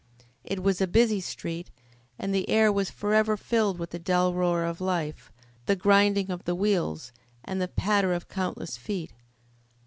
It was a busy street, and the air was forever filled with the dull roar of life, the grinding of the wheels, and the patter of countless feet.